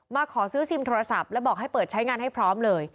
ขอซื้อซิมโทรศัพท์แล้วบอกให้เปิดใช้งานให้พร้อมเลย